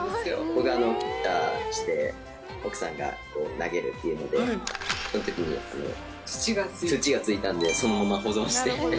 僕がキャッチャーをして、奥さんが投げるっていうので、そのときに土がついたので、そのまま保存して。